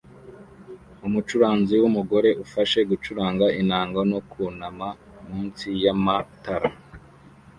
Umucuranzi wumugore ufashe gucuranga inanga no kunama munsi yamatara